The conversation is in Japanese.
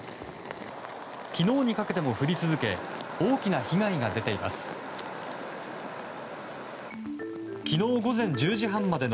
昨日にかけても降り続け大きな被害が出ています。